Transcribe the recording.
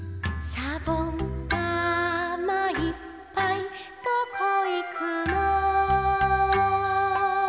「しゃぼんだまいっぱいどこいくの」